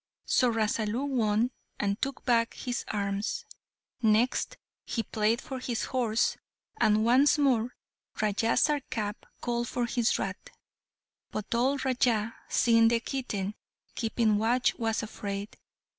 So Rasalu won, and took back his arms. Next he played for his horse, and once more Raja Sarkap called for his rat; but Dhol Raja, seeing the kitten keeping watch, was afraid.